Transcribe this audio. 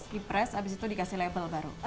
di press abis itu dikasih label baru